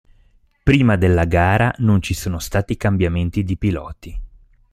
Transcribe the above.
Prima della gara non ci sono stati cambiamenti di piloti.